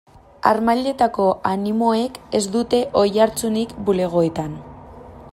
Harmailetako animoek ez dute oihartzunik bulegoetan.